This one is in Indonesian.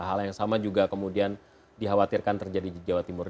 hal yang sama juga kemudian dikhawatirkan terjadi di jawa timur